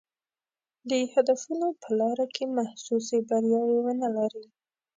د هدفونو په لاره کې محسوسې بریاوې ونه لري.